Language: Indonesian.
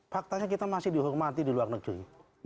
faktanya kita masih dihormati di luar negeri